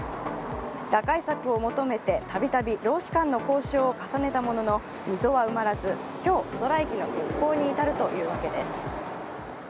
打開策を求めてたびたび労使間の交渉を重ねたものの溝は埋まらず、今日、ストライキの決行に至るということです。